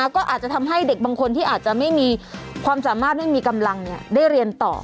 ก็อาจจะทำให้เด็กบางคนที่อาจจะไม่มีความสามารถไม่มีกำลังได้เรียนต่อ